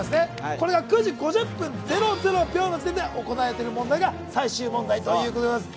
これが９時５０分００秒の時点で行われている問題が最終問題です。